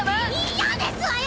嫌ですわよ！